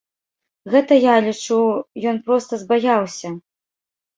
Гэта, я лічу, ён проста збаяўся.